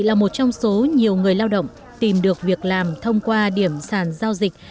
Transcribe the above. là một trong số nhiều người lao động tìm được việc làm thông qua điểm sàn giao dịch